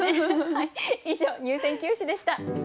以上入選九首でした。